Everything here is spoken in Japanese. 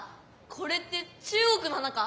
これって中国の花か？